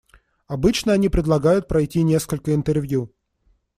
Обычно они предлагают пройти несколько интервью.